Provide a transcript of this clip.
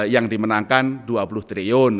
yang dimenangkan dua puluh triliun